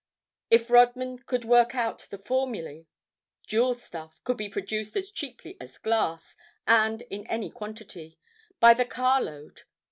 If Rodman could work out the formulae, jewel stuff could be produced as cheaply as glass, and in any quantity—by the carload.